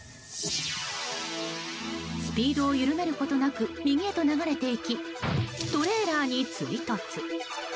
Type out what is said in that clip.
スピードを緩めることなく右へと流れていきトレーラーに追突。